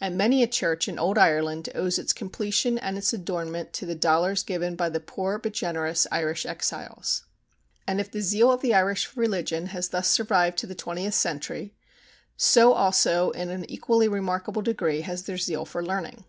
And many a church in old Ireland owes its completion and its adornment to the dollars given by the poor but generous Irish exiles. And if the zeal of the Irish for religion has thus survived to the twentieth century, so also in an equally remarkable degree has their zeal for learning.